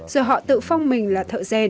giờ họ tự phong mình là